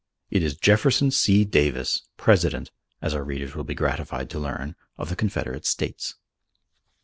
It is Jefferson C. Davis, President, as our readers will be gratified to learn, of the Confederate States.